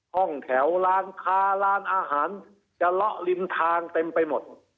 ห้องแถวร้านค้าร้านอาหารจะเลาะริมทางเต็มไปหมด